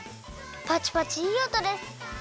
パチパチいいおとです。